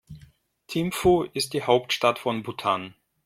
Thimphu ist die Hauptstadt von Bhutan.